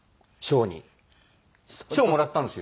賞もらったんですよ。